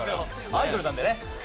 アイドルなんでね。